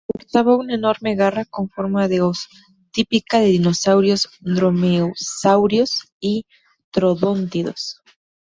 Portaba una enorme garra con forma de hoz, típica de dinosaurios dromeosáuridos y troodóntidos.